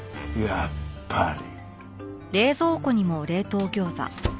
やっぱり！